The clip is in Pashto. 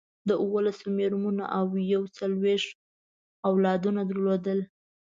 ده اوولس مېرمنې او یو څلویښت اولادونه درلودل.